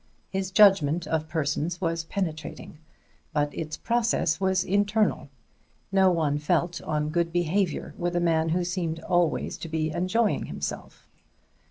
His judgment of persons was penetrating, but its process was internal; no one felt on good behavior with a man who seemed always to be enjoying himself.